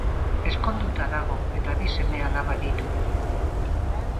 Ezkonduta dago, eta bi seme-alaba ditu.